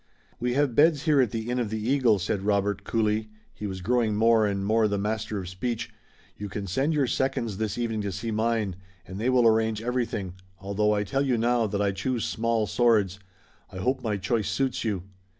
"We have beds here at the Inn of the Eagle," said Robert coolly he was growing more and more the master of speech; "you can send your seconds this evening to see mine, and they will arrange everything, although I tell you now that I choose small swords. I hope my choice suits you."